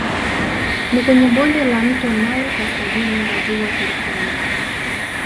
Ni kwenye bonde la mto Nile kaskazini mwa ziwa Turkana